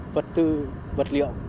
vật tư vật liệu